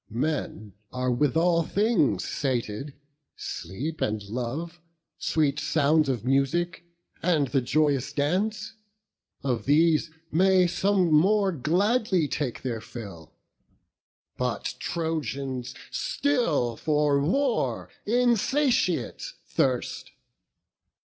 Men are with all things sated; sleep and love; Sweet sounds of music, and the joyous dance. Of these may some more gladly take their fill; But Trojans still for war, instiate, thirst."